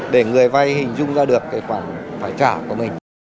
để người vay hình dung ra được cái khoản phải trả của mình